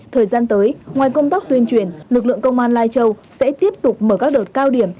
thời gian tới ngoài công tác tuyên truyền lực lượng công an lai châu sẽ tiếp tục mở các đợt cao điểm